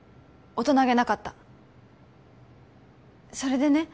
大人げなかったそれでね